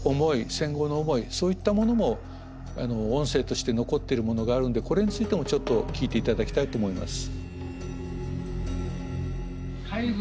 戦後の思いそういったものも音声として残ってるものがあるんでこれについてもちょっと聞いて頂きたいと思います。